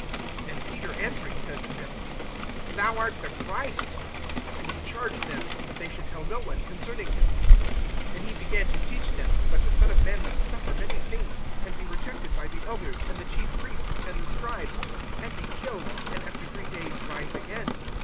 And Peter answering says to him: Thou art the Christ. (30)And he charged them that they should tell no one concerning him. (31)And he began to teach them, that the Son of man must suffer many things, and be rejected by the elders, and the chief priests, and the scribes, and be killed, and after three days rise again.